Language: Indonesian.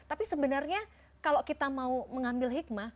tapi sebenarnya kalau kita mau mengambil hikmah